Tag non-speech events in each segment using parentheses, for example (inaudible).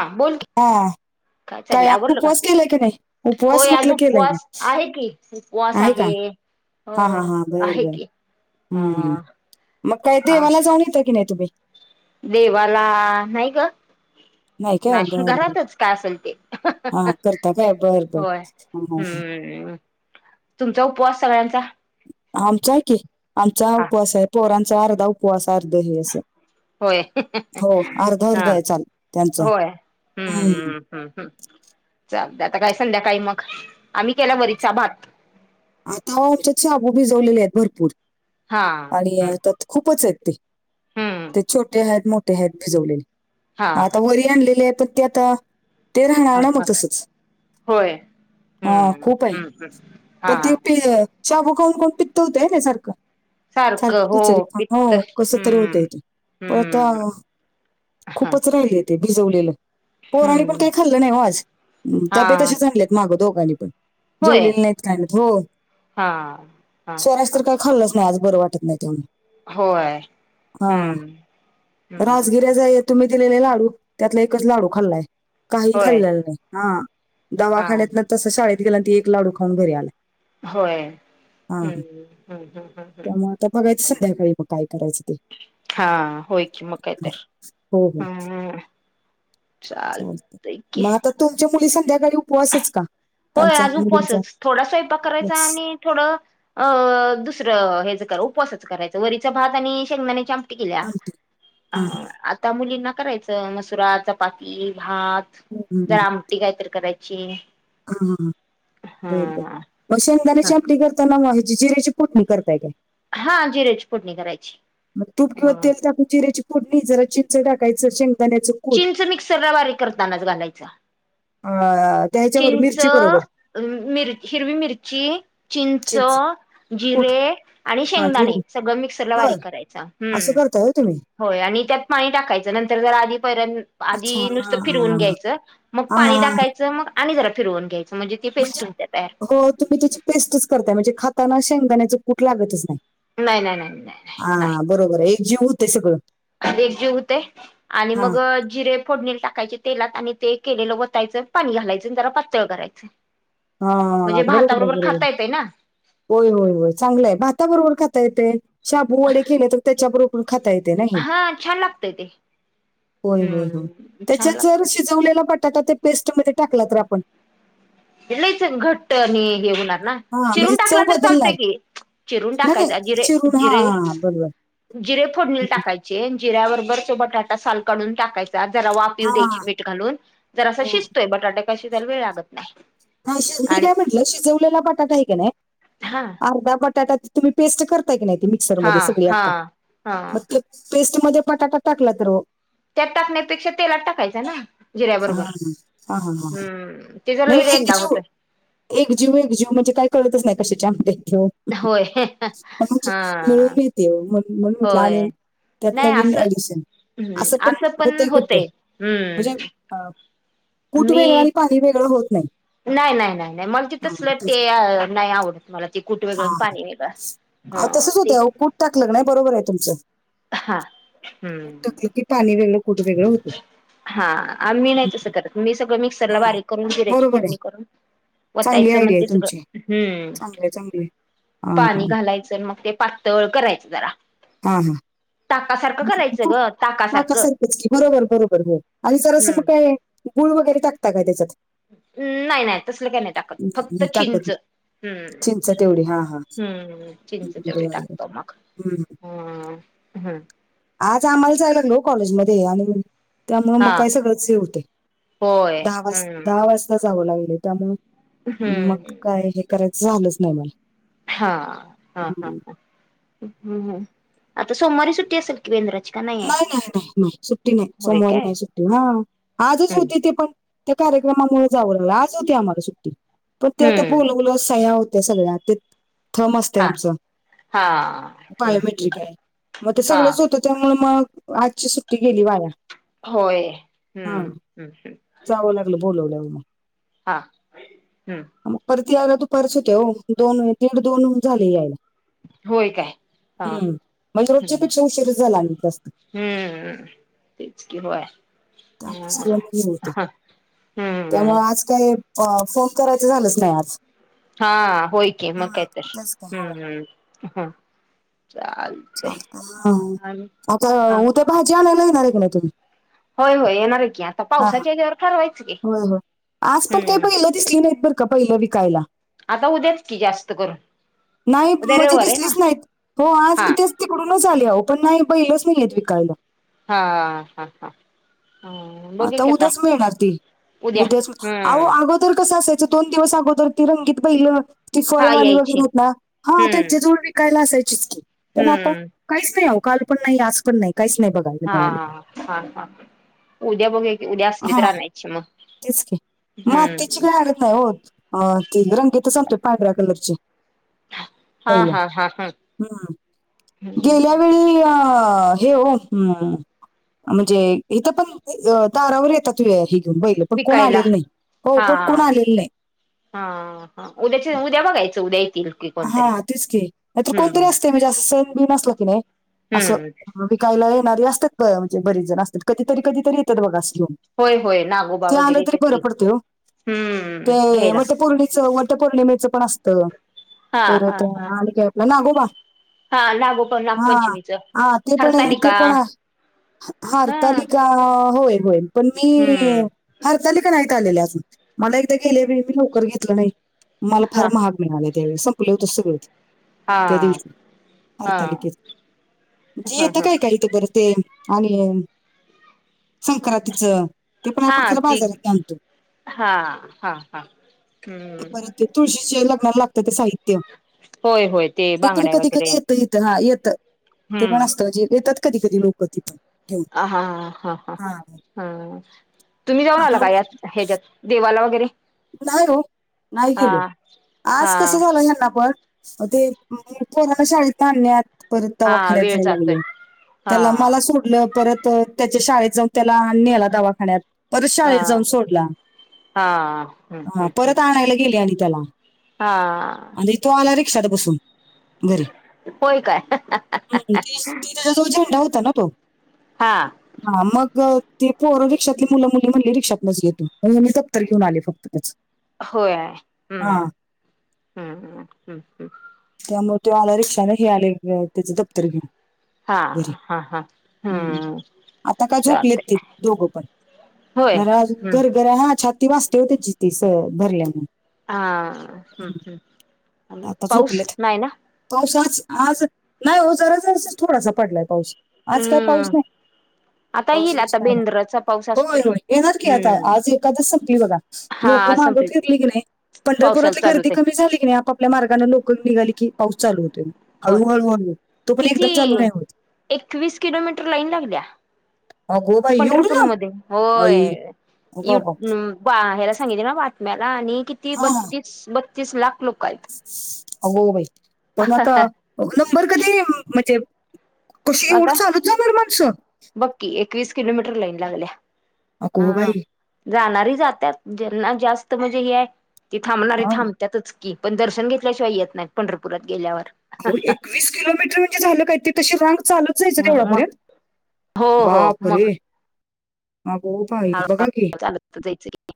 हा बोलकी. हां. काय आज उपवास केलाय क नाही, उपवास होय आज म्हटल केलाय, उपवास आहे की उपवास नाही का आहे. हा हा हो हा बर आहे बर की अ हम्म, मग काय अ देवाला जाऊन येता की नाही तुम्ही. देवाला, नाही गं. काय नाही,, बर बर घरातच काय असेल ते,,, हा करता काय बर बर होय,, हा, हा, हम्म. तुमचा उपवास सगळ्यांचा आमचा आहे की, आमचा हा उपवास आहे, पोरांचा अर्धा उपवास अर्धा दिवस होय हो अर्धा अर्ध हा आहे चाल त्यांचं, हम्म. हम्म हम्म चालतय, आता काय संध्याकाळी मग, आम्ही केला वरीचा भात. आता आमच्यात शाबू भीजवलेले आहेत भरपूर. हा हे हम्म आणतात खूपच आहेत ते हम्म ते छोटे आहेत मोठे आहेत भिजवलेले. हा आता वरी आणलेली आहे. पण ती आता त्यात ते राहणार हा ना मग हा तसच होय हा हम्म खूप आहे. (unintelligible) प ते प शाबू खाऊन, खाऊन पित्त होतय ना सारखं. सारख सारखं हो खिचडी खाऊन पित्त हो कसं तरी हम्म. होतंय पण आता. हम्म हा खूपच राहिलेत. ते भिजवलेलं, पोरानी पण हम्म काही खाल्लं नाही आज हा डब्बे तसशे आणलेत मागं दोघांनी पण- होय जेवलेले नाहीत, काय नाहित हो- हा. हा कायच तर काही खाल्लच नाही आज बरं वाटत नाही त्यामुळे होय हा. हम्म हम्म राजगिऱ्याचा येत. तुम्ही दिलेले लाडू, त्यातला एकच लाडू खाल्लाय काही होय खाल्लेला नाही हा. हा. दवाखान्यात न तसं शाळेत गेला आणि ती एक लाडू खाऊन घरी आला. होय ह् ह ह ह ह तर बघायचं संध्याकाळी मग काय करायचं ते, हा होय की मग काय हं. तर हो हो हम्म चालतंय. चालतं य की मग आता तुमच्या मुली संध्याकाळी उपवासच का? होय त्यांचा आज मुलींचा उपासच, थोडा स्वयंपा करायचा उपवास आणि थोडं अ दुसरं हेच करा उपवासच करायचं वरीच भात आणि शेंगदाण्या ची आमटी. टिकल्या आमटी हा हा आता मुलींना करायचं मसुरा, चपाती, भात, हम्म. जरा आमटी कायतरी करायची. हां हां बर बर हा मग हा. शेंगंदाण्याची आमटी करताना, ह्याची जिऱ्याची फोडणी करताय काय? हा जिऱ्याची फोडणी करायची. तूप किंवा हा. तेल टाकुन जीऱ्याची फोडणी, जरा चिंच टाकायचं शेंगदाण्या कुट चींचं मिक्सर ला बारीक करतानाच घालायचं. अं हं चिंच, मिर हिरवी मिरची, चिंच, कूट जिरे आणि हा शेंगदाणे सगळं मिक्सरला वारीक करायचं. अस करताय व्ह्य तुम्ही? होय आणि त्यात पाणी टाकायचं नंतर जर आधीपर्यंत, अच्छा आधी नुसतं हा फिरवून हा घ्यायचं, मग हा पाणी हा. टाकायचं मग आणि जरा फिरवून घ्यायचं म्हणजे ती म्हणजे पेस्ट होत्या तयार. हो तुम्ही त्याची पेस्टच करताय म्हणजे खाताना शेंगदाण्याच कूट लागतच नाही. नाही नाही नाही नाही नाही नाय हा बरोबर आहे एक जीव होते सगळं. एकजीव होते आणि हा मग जिरे, फोडणील टाकायचे तेलात आणि ते केलेलं वतायचं पाणी घालायचं जरा पातळ करायचं. हा हाह म्हणजे बरोबर आहे भाताबरोबर बरोबर. खाता येतय ना होय होय होय चांगलंय भाताबरोबर खाता येते शाबू वडे केले तर त्याच्याबरोबर पण खाता येते नाही. हा छान लागतय ते होय होय होय हम्म छान त्यांच्यात काही जर लागतय शिजवलेला बटाटा त्या पेस्टमध्ये टाकला तर आपण- लयच घट्ट आणि हे होणार ना हा म्हणजे चिरून चव टाकला तर चालतंय बदलणार की. चिरून नाही नाही टाकायचा. जिरे, चिरून हा जिरे, हा बरोबर जिरे फोडणील हम्म. टाकायचे. तेम जिऱ्यावरभर तो बटाटा साल काढून टाकाय त्यात जरा, वाफ येऊ हा द्यायची, मीठ घालून, जरासं हो शिजतोय, बटाटा काय शिजायला वेळ लागत नाही. मावशी, मी आणि काय म्हटलं, शिजवलेला बटाटा हाय क नाय, हा अर्धा बटाटाच तुम्ही, पेस्ट करता की नाही, हा मिक्सरमध्ये सगळी हा आता, हा म, ते पेस्टमध्ये, बटाटा टाकला तर वो? त्यात टाकण्यापेक्षा, तेलात टाकायचा ना, हा जिऱ्याबरोबर हा हा हा हा. हम्म, ते जरा लय रेंदा होत. एकजीव -एकजीव म्हणजे काय कळतच नाही, कशाची आमटी हेचाव होय हा मिळून येती वो, म्हण म्हणून म्हटलं होय आल्याव त्यात नाही नवीन असं एडिशन, हम्म असं पण होतंय, कुठं होतय म्हणजे? हम्म अ कुट वेगळं आणि पाणी वेगळं होत नाही. नाय, नाय, नाय, नाय, म हा, तसलं ते, तेच. नाही आवडत मला, ते कुट हा. वेगळं न पाणी वेगळं असतं, ह, ते टाकल क नाय, बरोबर आहे तुमचं, हा कूट हम्म ते की पाणी वेल हा आ मी नाही तसं करत, मी सगळं मिक्सरला हा बारीक करून, जिऱ्याची बरोबर आहे फोडणी करून चांगली वतायचं मण आयडिया ते आहे सगळं, तुमची हम्म, चांगली चांगली पाणी अं, घालायचं मग ते पा तळ करायचं जरा हा, हा ताकासारखं करायचं ग (unintelligible) ताकासारखं संकष्टी बरोबर -बरोबर आणि जरासं मग काय, गुळ वगैरे टाकता काय त्याच्यात? हंम, नाय-नाय तसलं काय नाय टाकत, फक्त नाही, टाकत चींच नाही. हम्म- चिंच तेवढी हा हा हम्म चिंच तेवढी बरं टाकतो, मग हम्म. हंम व्हय आज आम्हाला, जायालं लागलं, हो कॉलेजमध्ये (unintelligible) त्यामुळं, म हा काय सगळंच, हे होतंय, होय दहा वाज हम्म दहा वाज ता जावं लागलं, त्यामुळं, मग हम्म काय हे करायचं, झालंच नाही, मला हा, हा, हा, हम्म. ह, हंम, हंम, आता सोमवारी सुट्टी असल की, बेंद्राची? का नाही आहे नाय, नाय, नाय, नाय, सुट्टी नाय, होय सोमवारी काय नाय सुट्टी, हा, आजच हम्म होती ती पण ते कार्यक्रमामुळं, जावं लागलं, आज होती आम्हाला सुट्टी, पण ते, आता हम्म बोलव प्लस सहया होत्या सगळ्या, तीत थम असतय हा आमचं, हा हम्म हम्म बायोमेट्रिक हाय, म ते हा सगळंच होतं तर, मग आजची सुट्टी गेली वाया. होय, हा हम्म- ह् -हम् जावं लागलं बोलवल्याव, मग हा, हंम म परत यायला दुपारच होतया वो, दोन- दीड -दोन झाले यायला होय काय हा हम्म, म्हणजे रोजच्या हम्म पेक्षा उशीर झाला, आनी हम्म, तेच की बॉय (unintelligible) हम्म त्यामुळं आज काही अ फोन करायचं, झालंच नाही, आज हा, होय की, मग हा काय तर, तेच काय हो हंम -हंम, चाल चालतंय, अव ते, हा उद्या भाजी आणायला, येणार हाय क नाय तुम्ही? होय -होय, येणार आहे की, आता पावसाच्या हेच्यावर ठरवायचं की व्हय, आज पण काय हम्म बैलं दिसली नाय, बरं का, बैल विकायला आता उद्याच की जास्त करून नाही उद्या मजी, रविवार आहे दिसलीच ना नाहीत, हो आज, मी हा तेच तिकडूनच आली आहो, पण नाही, बैलच नाहीयेत विकायला. हा.. हा.. हा.. हा आता उद्याच मिळणार ती, उद्याच अहो हम्म अगो तर कसं असायचं दोन दिवस अगोदर ती रंगीत बैल ती हा फळवाली यायची वगैरे आहेत ना हा.. हम्म त्यांची जोडी विकायलाच असायची की, पण आता हम्म काहीच नाही ओ.. काल पण नाही आज पण नाही काहीच नाही बघा. हा.. हा.. हा.. हा उद्या बघू एक उद्या असली तर हा आनायची मग, तेच की मातीची हम्म.. काय हो.. हरत त रंगीेत अ.. ते रंगीतच आणते पांढऱ्या कलरचे हा पहिला... हा हा हा हम्.. गेल्या हम्म लिया.. हे, हो.. ह्.. म्हणजे इथ पण दारावर येतात हे घेऊन बैल, कोण विकायला आलेलं नाही हो हा कोण - कोण आलेलं नाही. हा.. हा.. उद्याच्या उद्या बघायचं उद्या येतील. की कोणतरी हा, तेच की नाही कोणतरी हम्म असते म्हणजे असं सण बीन असलं की नाही, असं हम्म कायला येणारी असतातं म्हणजे बरेच जण असतात कधीरी कधतरी येतात बघा अस होय होय नागोबा ते आलं वगैरे तरी येतात बर की पडत ओ.. हम्म ते घ्यायला वटपौर्णिच वट वटपौर्णिमेचं पण असत, हा हा परत हा आणि काय आपलं नागोबा हा नागोबा हा.. नागपंचमीच ते.. पण, ते.. हरतालिका पण आहे. हा हरतालिका होय.. होय.. पण मी हम्म हरतालिका नाहीत टाळलेले अजून मला एकदा तेच गेले वेळी बी लवकर घेतलं नाही मला फार हा महाग मिळाल त्यावेळी संपलं होतं सगळंच. हा त्या दिवशी हा हरतालिकेचं ह येत ह काय काही इथे बरं ते आणि... संक्रांतीचं ते पण आपण हा.. खरं ती बाजारात आणतो हा.. हा.. हा.. हम्म मला लागत ते साहित्य होय होय ते पण बांगड्या कधी वगैरे कधी येत हित हा.. येत. ते पण हम्म असतं जे येतात कधी- कधी लोक तिथ हा... हा.. हा.. हा.. हा तुम्ही जाऊन आता आला का यात? ह्याच्यायात देवाला वगैरे नाही ओ.. नाही हा गेलो, आज हा कसं झालं ह्याना पण ते पोराला शाळेत आणलय आत परत हा दवाखान्यात वेळ जाय जातोय लागल, हा त्याला मला सोडून. परत त्याच्या शाळेत जाऊन त्याला नेला दवाखान्यात परत हा शाळेत जाऊन सोडला. हा.. हम्म हा... हम्म हम्म परत आणायला गेले आणि त्याला हा.. आणि तो आला रिक्षात बसून घरी होय काय ह्.... तीस तिचा जवळ झेंडा होता ना तो हां.. हा, मग ती पोरं रिक्षातले मुलं- मुली म्हणले रिक्षातनच ये तू म्हणून मी दप्तर घेऊन आले. फक्त त्याच होय.. हम्म हम् हम् हम् त्यामुळे त्यो आला रिक्षाने हे आले त्याच दप्तर घेऊन. हा घरी... हा हा हम्म आता काय झोपलेत ते चालतंय दोघं पण होय जरा अजून हम्म घर घर हा छाती वाचते हो त्याची ती भरल्या मूळ हा हम् ह् अजून आता पाऊस झोपलेत. नाही ना? पाऊस आज आज नाही हो जरा जरा असा थोडासा पडलाय पाऊस आज काय पाऊस हम्म नाही. आता पाऊस येईल बिऊस आता काय नाय बेंद्राचा पाऊस होय असतोय होय येणार की आता हम्म आज ऐकादस संपली बघा. हा लोक मागं संपली फिरली की नाही पावसाला पंढरपुरातली चालूच गर्दी आहे कमी झाली की नाही आप आप आप आपल्या मार्गान लोक निघाली की पाऊस चालू होतेय मग. हो हळूहळू हळू हळू. तो पण किती एकदम चालू नाही होत एकवीस किलोमीटर लाईन लागलीया‌. अगो बाई एवढं ना पंढरपूरमध्ये आई होय अगो इव अगो बा ह्याला सांगितलय ना बातम्याला आणि किती बत्तीस बत्तीस लाख लोक आहित. अगं बाई पण आता नंबर कधी म्हणजे? कशी एवढं चालत जाणार माणसं? बघ की एकवीस किलोमीटर लाईन लागली या अगो हा. बाई जाणारी जात्यात ज्यांना जास्त म्हणजे हे आहे ती थांबणारी हा थांबत्यातचं. की पण दर्शन घेतल्याशिवाय येत नाही पंढरपुरात गेल्यावर. हो एकवीस किलोमीटर म्हणजे झालं काय ती तशी रांग चालत चालत जायचं देवळा मग पर्यंत हो हो बाप मग रे, अगं बाई हळूहळू बघा की. चालत जायचं की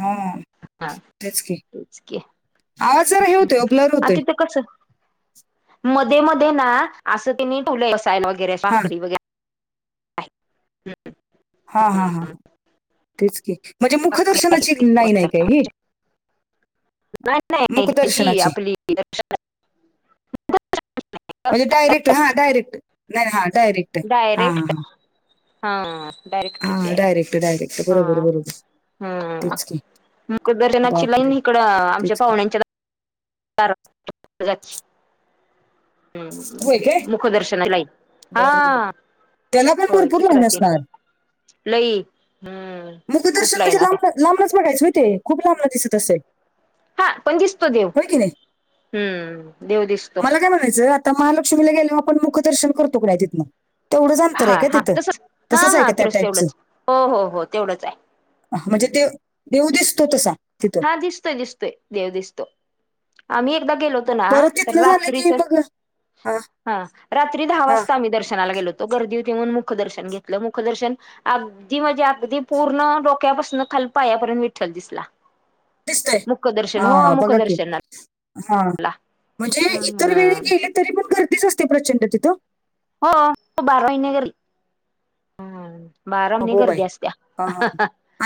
हा हा तेच की, आवाज जरा हे होतोय ब्लर आ होतोय तिथं कसं? मध्ये मध्ये ना असं त्यांनी (inaudible) बसायल वगैरे हां, बाकडी वगैरे हा हा हा तेच की म्हणजे मुखदर्शनाची आहेत लाईन आहे का बसायला ही? नाही नाही ह्याची मुखदर्शनाची. आपली दर्शनाची. म्हणजे डारेक्ट हा डारेक्ट नाही हा डायरेक्ट हां, हां, डायरेक्ट हां. ह् डायरेक्टची हां, आहे डायरेक्ट, डायरेक्ट. बरोबर, ह्अ बरोबर. ह् तेच की. मुकदर्शनाची लाईन बापरे! इकडं आमच्या तेच की. पाहुण्यांच्या दा दारातंन जाती. हम्म होय काय? मुखदर्शनाची लाईन बरं, बरं. हा त्याला पण होय भरपूर चिकरा लाईन ते. असणार. लई हम्म खूप मुखदर्शन म्हणजे लाईन आल्या. लांब लांबनच बघायचं होय ते खूप लांबन दिसत असेल. हा पण दिसतो देव होय की नाही? हम्म देव दिसतो. हे काय म्हणायचंय? त्या महालक्ष्मीला गेल्यावर आपण मुखदर्शन करतो की नाय तिथंन‍? तेवढंच अंतर आहे हा का हा तिथं तसच हा तसच आहे हा का त्या तेवढंच टाईपचं? तेवढंच हो हो हो तेवढंच म्हणजे आहे ते देव दिसतो तसा तिथं? हा दिसतोय दिसतोय देव दिसतो आम्ही एखदा गेलो होतो ना. परत ना तिथनं झालं की रात्रीचं मग हा रात्री दहा हा वाजता आम्ही दर्शनाला गेलो होतो. तवा गर्दी होती म्हूणून मुखदर्शन घेतलं मुखदर्शन अगदी म्हणजे अगदी पूर्ण डोक्यापासून खाली पायापर्यंत विठ्ठल दिसला. दिसतंय मुखदर्शन हो हा बघा की. मुखदर्शनाला हा म्हणजे इतर वेळी हम्म गेले तरी पण गर्दीच असते प्रचंड तिथं, हो बारा महिने गर्दी ह्म बारा महिने अगो बाई गर्दी असतीया हा हा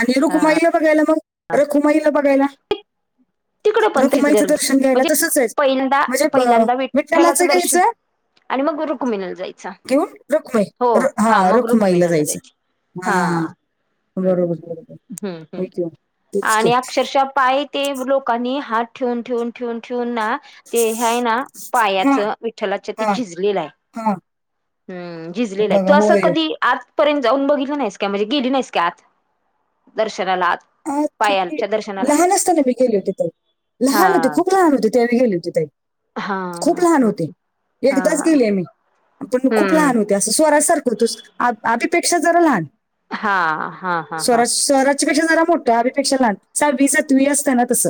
आणि रुखुमाईला बघायला मग रखमाईला बघायला‍? तिकडे पण तीच रूखमाईच गर्दी दर्शन घ्यायला म्हणजे तसचं जायचं पहिल्यांदा म्हणजे पहिल्यांदा विठ्ठलाचं दर्शन घ्यायचं. आणि मग रुक्मिणीला जायचं घेवुन रखुमाई हो हा मग रखुमाईला जायचं. हां. ह् हम् हम् की हो. तेच की आणि अक्षर शा पाय ते लोकांनी हात ठेवून ठेवून ठेवून ठेवून ना ते हे आहे ना पायाच विठ्ठलाच्या ते झिजलेल हाय. हां. हम् झिजलेला हाय, तू असं कधी आतपर्यंत जाऊन बघितलं नाहीस काय म्हणजे गेली नाहीस काय आत? दर्शनाला आत? आत पायाच्या दर्शनाला लहान असताना मी केले होते ताई, हा लहान होते खूप लहान होते त्या वेळी गेली होते ताई. हा खूप लहान हा होते, हा एकदाच गेले मी, पण खूप हम्म लहान होते. ते अस स्वराज सारख होते, आदी पेक्षा जरा लहान हा हा हा हा स्वराज स्वराज अभि पेक्षा जरा मोठं आभी पेक्षा लहान सहावी सातवी असत ना तसं.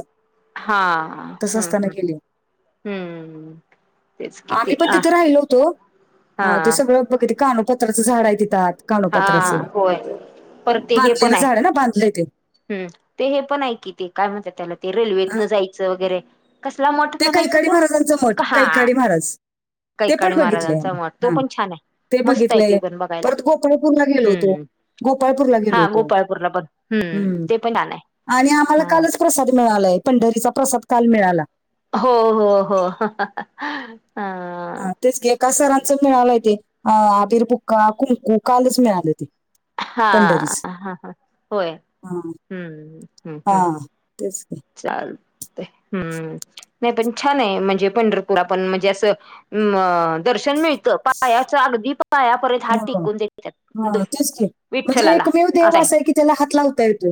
हां हां तसं हम्म असताना हम्म. गेले हम्म तेच कि आम्ही ते पण आ तिथे हां. म कधी कानो पात्राचं झाड हाय तिथं आत. हा कानोपात्राच, होय बांधलेलं झाड आहे ना? बांधलेय ते. हम् ते हे पण हाय कि ते काय म्हणत्यात त्याला ते हा. रेल्वेतन जायचं वगैरे, कस कसला मठ ते म्हणायचा कैकाडी तो? महाराजांचं मठ क हा. कैकाडी महाराज ते कैकाडी पण बघितलंय महाराजांचा आम्ही मट, तो हा पण छान हाय, ते मस्त हाय तो बघितलंय पण बघायला. परत गोपाळपूरला गेलो होतो. हम्म गोपाळपूरला गेलो हा होतो, गोपाळपूरला पण हम्म हम् ते पण छान आहे. आणि आम्हाला हा कालच प्रसाद मिळालाय, पंढरीचा प्रसाद काल मिळाला. हो हो हो हां. हा तेच की, एका सरांच मिळालंय ते आबीर बुक्का, कुंकू कालच मिळालं ते. हा पंढरीच हा हा होय हा, हम्म हम्म हा हम्. तेच की. चालतय हम्म. नाही पण छान आहे म्हणजे पंढरपूर, आपण म्हणजे असं म दर्शन मिळ त पायाच अगदी पाया परेत हात हो टिकून देत्यात द हा तेच की म्हणजे विठ्ठलाला एकमेव आत देव हाय. असा आहे की त्याला हात लावता येतोय.